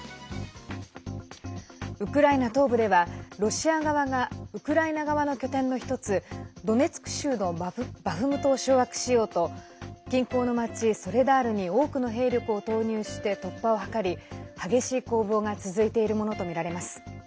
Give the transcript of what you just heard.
ウクライナ東部ではロシア側がウクライナ側の拠点の１つドネツク州のバフムトを掌握しようと近郊の町ソレダールに多くの兵力を投入して突破を図り激しい攻防が続いているものとみられます。